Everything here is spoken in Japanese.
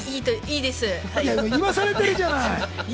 言わされてるじゃない。